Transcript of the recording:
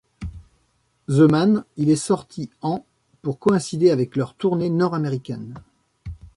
The Man, il est sorti en pour coïncider avec leur tournée nord américaine.